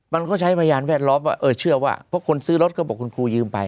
มันก็ใช้พยานแวดล้อมว่าเออเชื่อว่าเพราะคนซื้อรถก็บอกคุณครูยืมไป